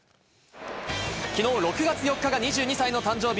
きのう６月４日が２２歳の誕生日。